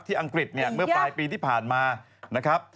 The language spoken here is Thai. อังกฤษเนี่ยเมื่อปลายปีที่ผ่านมานะครับ